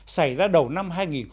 xảy ra đầu năm hai nghìn một mươi chín